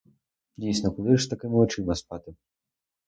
Дійсно, куди ж з такими очима спати!